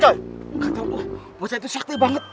katanya lo baca itu syakti banget